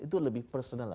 itu lebih personal